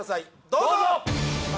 どうぞ！